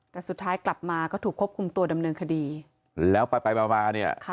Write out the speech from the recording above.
แต่สุดท้ายกลับมาก็ถูกควบคุมตัวดำเนินคดีแล้วไปไปมามาเนี่ย